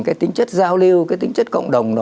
cái tính chất giao lưu cái tính chất cộng đồng đó